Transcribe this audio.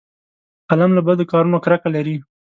قلم له بدو کارونو کرکه لري